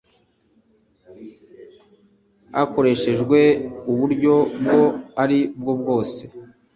hakoreshejwe uburyo ubwo ari bwo bwose